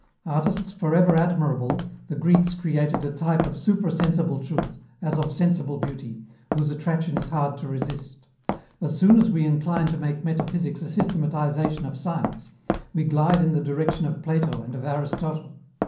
Artists for ever admirable, the Greeks created a type of supra sensible truth, as of sensible beauty, whose attraction is hard to resist. As soon as we incline to make metaphysics a systematization of science, we glide in the direction of Plato and of Aristotle.